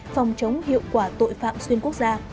phòng chống hiệu quả tội phạm xuyên quốc gia